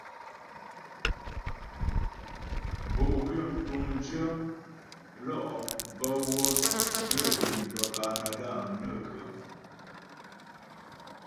Bo'gwyə mtuŋdyə lɔ' bə́ wə́ nə hwi bə́ Kanada nə ghə.